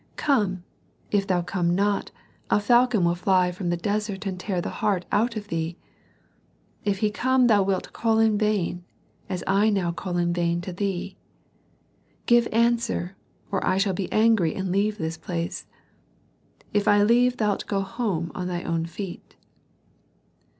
Come; if thou come not, a falcon will fly from the desert and tear the heart out of thee. If he come thou wilt call in vain, as I now call in vain to thee. Give answer, or I shall be angry and leave this place. If I leave thou'lt go home on thy own feet."